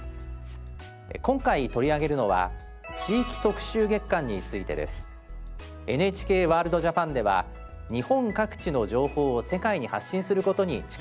今回取り上げるのはＮＨＫワールドＪＡＰＡＮでは日本各地の情報を世界に発信することに力を入れています。